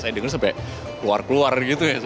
saya dengar sampai keluar keluar gitu ya